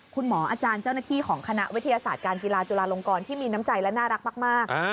อาจารย์เจ้าหน้าที่ของคณะวิทยาศาสตร์การกีฬาจุฬาลงกรที่มีน้ำใจและน่ารักมาก